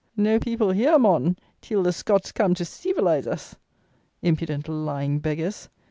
No people here, "mon, teel the Scots cam to seevelize" us! Impudent, lying beggars!